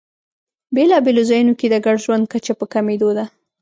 بېلابېلو ځایونو کې د ګډ ژوند کچه په کمېدو ده.